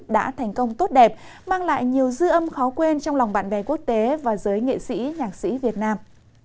đã thành công tốt đẹp mang lại nhiều dư âm khó quên trong lòng bạn bè quốc tế và giới nghệ sĩ nhạc sĩ việt nam